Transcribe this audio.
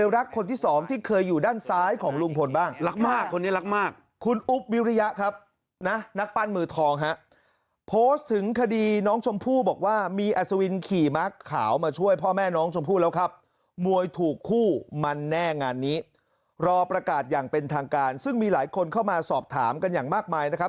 แล้วเราจะต้องไปสอบถามกันอย่างมากมายนะครับ